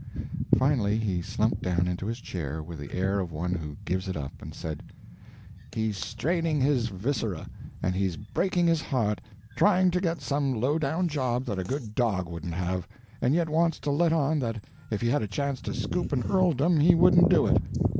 _" Finally he slumped down into his chair with the air of one who gives it up, and said: "He's straining his viscera and he's breaking his heart trying to get some low down job that a good dog wouldn't have, and yet wants to let on that if he had a chance to scoop an earldom he wouldn't do it.